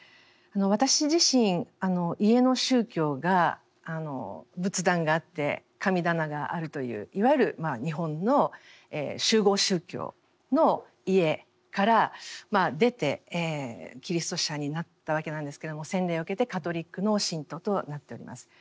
私自身家の宗教が仏壇があって神棚があるといういわゆる日本の習合宗教の家から出てキリスト者になったわけなんですけれども洗礼を受けてカトリックの信徒となっております。